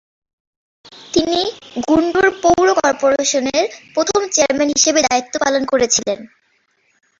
তিনি গুন্টুর পৌর কর্পোরেশনের প্রথম চেয়ারম্যান হিসাবে দায়িত্ব পালন করেছিলেন।